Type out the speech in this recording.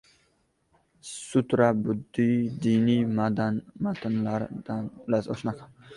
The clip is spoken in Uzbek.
sutra — budda diniy matnlaridir.